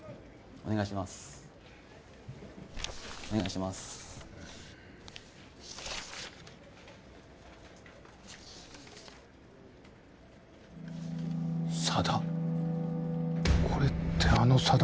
お願いします佐田？